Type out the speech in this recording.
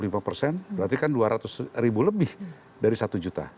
berarti kan dua ratus ribu lebih dari satu juta